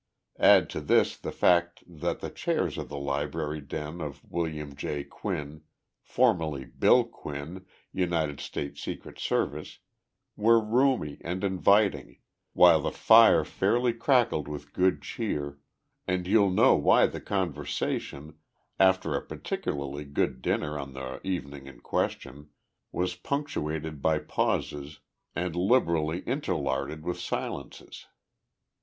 Add to this the fact that the chairs in the library den of William J. Quinn formerly "Bill Quinn, United States Secret Service" were roomy and inviting, while the fire fairly crackled with good cheer, and you'll know why the conversation, after a particularly good dinner on the evening in question, was punctuated by pauses and liberally interlarded with silences.